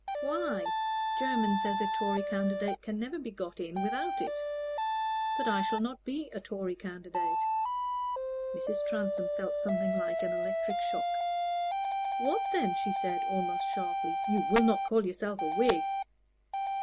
"Why? Jermyn says a Tory candidate can never be got in without it." "But I shall not be a Tory candidate." Mrs. Transome felt something like an electric shock. "What then?" she said, almost sharply. "You will not call yourself a Whig?"